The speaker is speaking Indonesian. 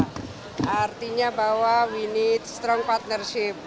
pak jokowi artinya bahwa we need strong partnership